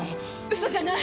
嘘じゃない！